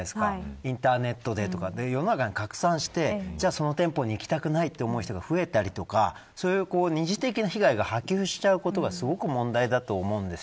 インターネットで世の中に拡散してその店舗に行きたくないと思う人が増えたりとかそういう二次的な被害が波及したことがすごく問題だと思うんです。